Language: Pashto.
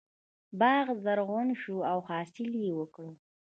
باغ زرغون شو او حاصل یې ورکړ.